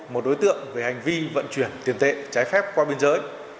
một đối tượng về hành vi vận chuyển tiền tệ trái phép qua biên giới